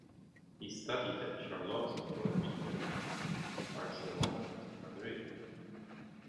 He studied at Charlottenburg in Berlin, Barcelona and Madrid.